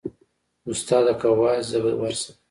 استاده که واياست زه به ورسم.